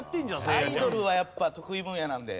アイドルはやっぱ得意分野なので。